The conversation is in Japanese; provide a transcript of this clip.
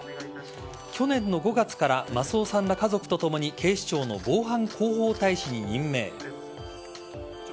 去年の５月からマスオさんら家族とともに警視庁の防犯広報大使に任命。